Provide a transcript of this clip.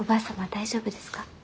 大丈夫ですか？